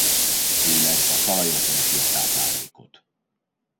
Főleg a talajon keresi a táplálékot.